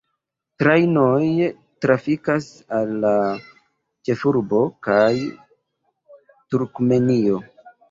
Trajnoj trafikas al la ĉefurbo kaj Turkmenio.